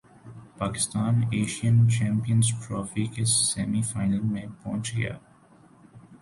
Pakistan Asian Champions Trophy کے semi final میں پہنچ گیا